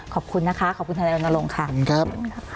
ขอบคุณนะคะขอบคุณท่านออนโลงค์ค่ะขอบคุณครับ